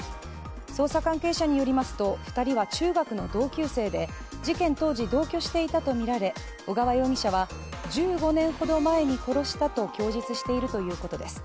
捜査関係者によりますと、２人は中学の同級生で事件当時同居していたとみられ、小川容疑者は１５年ほど前に殺したと供述しているということです。